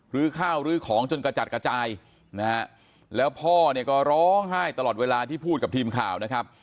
ื้อข้าวลื้อของจนกระจัดกระจายนะฮะแล้วพ่อเนี่ยก็ร้องไห้ตลอดเวลาที่พูดกับทีมข่าวนะครับ